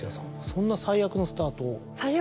そんな最悪のスタートを。